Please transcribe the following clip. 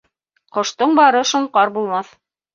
Ҡоштоң бары шоңҡар булмаҫ.